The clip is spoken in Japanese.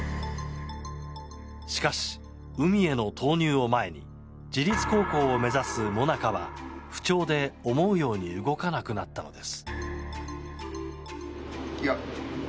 しかし、海への投入を前に自律航行を目指すＭＯＮＡＣＡは不調で思うように動かなくなったのです。